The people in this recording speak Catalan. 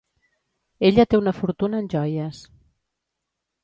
Ella té una fortuna en joies.